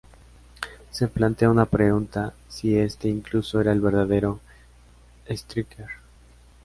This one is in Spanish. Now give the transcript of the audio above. Se plantea una pregunta si este incluso era el verdadero Stryker.